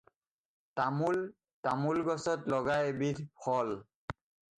তামোল তামোল গছত লগা এবিধ ফল।